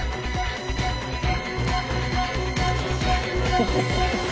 フフフフ。